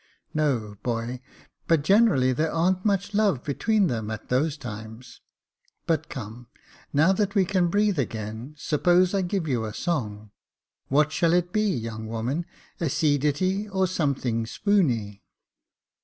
" No, boy ; but generally there ar'n't much love between them at those times. But, come, now that we can breathe again, suppose I give you a song. What shall it be, young woman, a sea ditty, or something spooney